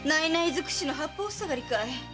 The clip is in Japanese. づくしの八方ふさがりかい。